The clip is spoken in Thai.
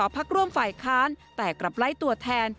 พักร่วมฝ่ายค้านแต่กลับไล่ตัวแทน